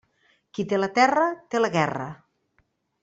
Qui té la terra, té la guerra.